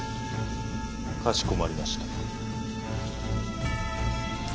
かしこまりました。